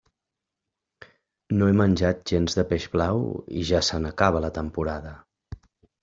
No he menjat gens de peix blau i ja se n'acaba la temporada.